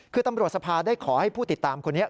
คือตำรวจสภาได้ขอให้ผู้ติดตามคนนี้